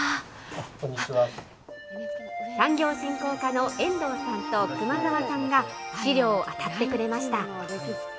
産業振興課の遠藤さんと熊澤さんが、資料をあたってくれました。